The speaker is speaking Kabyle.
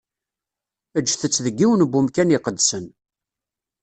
Eǧǧet-tt deg yiwen n umkan iqedsen.